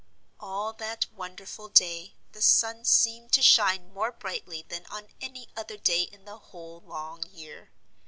All that wonderful day the sun seemed to shine more brightly than on any other day in the whole long year.